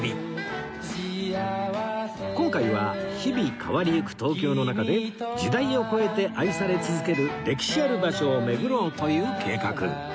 今回は日々変わりゆく東京の中で時代を超えて愛され続ける歴史ある場所を巡ろうという計画